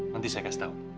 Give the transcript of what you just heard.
nanti saya kasih tau